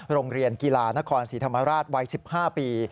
โรงเรียนกีฬานครศรีธรรมราชวัย๑๕ปี